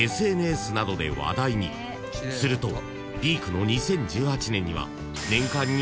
［するとピークの２０１８年には］